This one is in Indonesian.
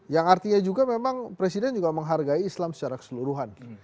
yang artinya juga memang presiden juga menghargai islam secara keseluruhan